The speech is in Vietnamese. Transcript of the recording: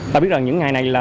ta biết rằng những ngày hôm đó